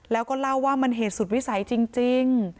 แล้วก็เล่าว่ามันเหตุสุดวิสัยจริง